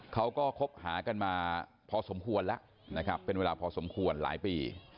เขาก็คบหากันมาพอสมควรแล้วนะครับเป็นเวลาพอสมควรหลายปี